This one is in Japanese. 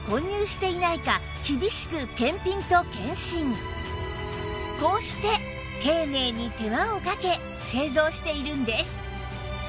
この羽毛を最後にこうして丁寧に手間をかけ製造しているんです